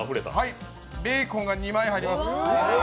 ベーコンが２枚入ります。